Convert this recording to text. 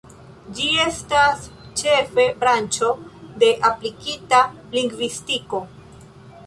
Ĝi estas ĉefe branĉo de aplikita lingvistiko.